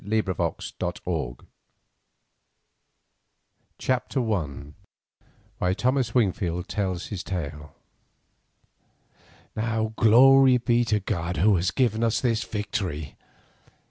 Montezuma's Daughter CHAPTER I WHY THOMAS WINGFIELD TELLS HIS TALE Now glory be to God who has given us the victory!